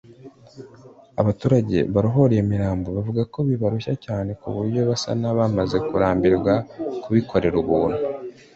abaturage barohora iyo mirambo bavuga ko bibarushya cyane ku buryo basa n’abamaze kurambirwa kubikorera ubuntu